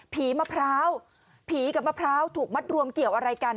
มะพร้าวผีกับมะพร้าวถูกมัดรวมเกี่ยวอะไรกัน